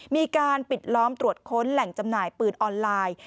มีการปิดล้อมตรวจค้นแหล่งจำหน่ายปืนออนไลน์